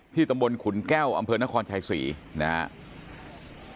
ตำบลขุนแก้วอำเภอนครชัยศรีนะครับ